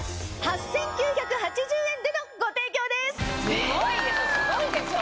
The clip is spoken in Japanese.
すごいでしょすごいでしょ。